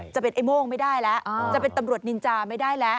จะเป็นไอ้โม่งไม่ได้แล้วจะเป็นตำรวจนินจาไม่ได้แล้ว